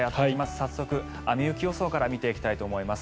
早速、雨・雪予想から見ていきたいと思います。